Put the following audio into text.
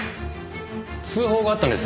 通報があったんです。